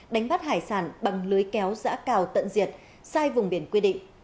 đánh bắt hải sản bằng lưới kéo giã cào tận diệt sai vùng biển quy định